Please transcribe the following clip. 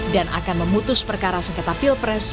dan akan memutus perkara sekitar pilpres